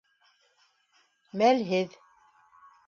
Мәлһеҙ.